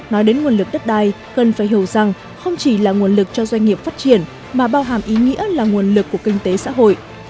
nói đến nguồn lực đất đai cần phải hiểu rằng không chỉ là nguồn lực cho doanh nghiệp phát triển mà bao hàm ý nghĩa là nguồn lực của kinh tế xã hội